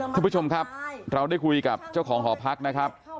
คุณผู้ชมครับเราได้คุยกับเจ้าของหอพักนะครับ